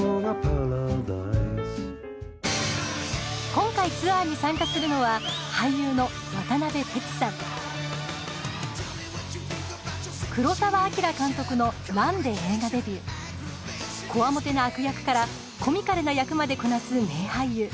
今回ツアーに参加するのはコワモテな悪役からコミカルな役までこなす名俳優。